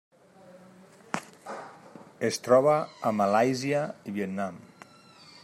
Es troba a Malàisia i Vietnam.